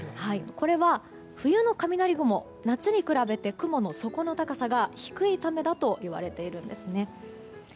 これは、冬の雷雲は夏に比べて雲の底の高さが低いためだと言われているんです。